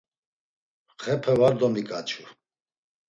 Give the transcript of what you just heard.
Xepe var domikaçu.